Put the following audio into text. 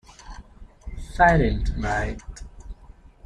Silent Night.